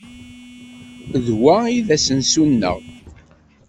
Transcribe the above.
D wa ay d asensu-nneɣ?